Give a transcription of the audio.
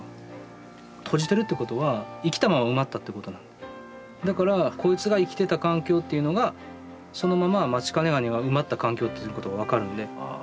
閉じてるってことはだからこいつが生きてた環境っていうのがそのままマチカネワニが埋まった環境ということが分かるので。